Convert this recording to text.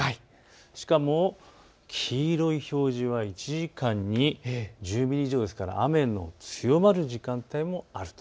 しかも黄色い表示は１時間に１０ミリ以上ですから雨の強まる時間帯もあると。